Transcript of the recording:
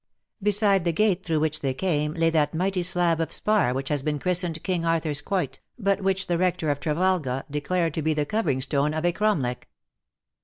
Beside the gate through which they came lay that mighty slab of spar which has been christened King Arthur's Quoit, but which the Rector of Trevalga declared to be the covering stone of a Cromlech.